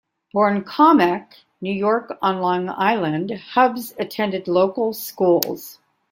Born in Commack, New York on Long Island, Hubbs attended local schools.